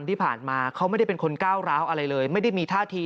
ที่ผ่านมาเขาไม่ได้เป็นคนก้าวร้าวอะไรเลยไม่ได้มีท่าที